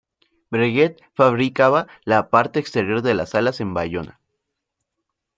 Breguet fabricaba la parte exterior de las alas en Bayona.